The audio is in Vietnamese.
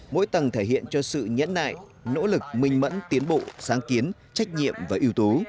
mỗi tầng thể hiện cho sự nhẫn nại nỗ lực minh mẫn tiến bộ sáng kiến trách nhiệm và yếu tố